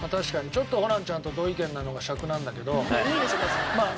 ちょっとホランちゃんと同意見なのがしゃくなんだけどまあ